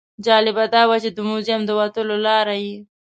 جالبه دا وه چې د موزیم د وتلو لاره یې.